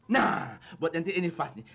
nah buat nanti ini fast nih